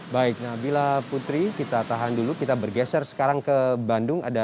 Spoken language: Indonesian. baik nabila putri kita tahan dulu kita bergeser sekarang ke bandung